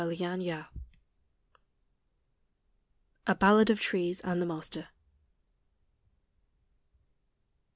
A BALLAD OF TREES AND THE MASTER.